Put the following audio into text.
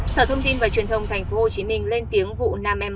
sở thông tin và truyền thông tp hcm lên tiếng vụ nam em